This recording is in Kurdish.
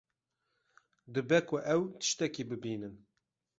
Dibe ku ew tiştekî bibînin.